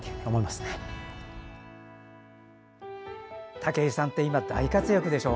武井さんって今大活躍でしょ。